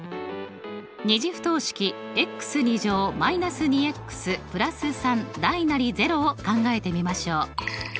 ２次不等式を考えてみましょう。